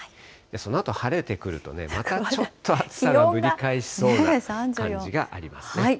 そのあと晴れてくると、またちょっと暑さがぶり返しそうな感じがありますね。